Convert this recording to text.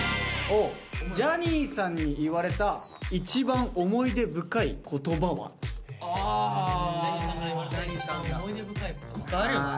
「ジャニーさんから言われた一番思い出深い言葉」か。